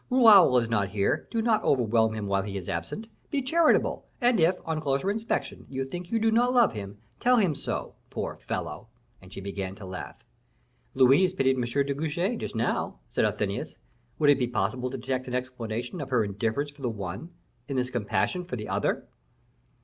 Raoul is not here; do not overwhelm him while he is absent; be charitable, and if, on closer inspection, you think you do not love him, tell him so, poor fellow!" and she began to laugh. "Louise pitied M. de Guiche just now," said Athenais; "would it be possible to detect an explanation of her indifference for the one in this compassion for the other?"